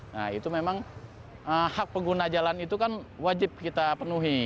nah itu memang hak pengguna jalan itu kan wajib kita penuhi